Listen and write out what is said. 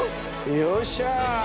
よっしゃ！